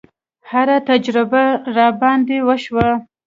هره تجربه راباندې وشوه.